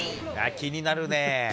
気になるね。